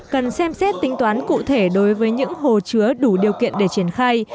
cần xem xét tính toán cụ thể đối với những hồ chứa đủ điều kiện để triển khai